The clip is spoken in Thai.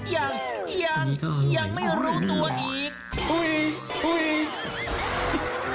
ยังยังไม่รู้ตัวอีก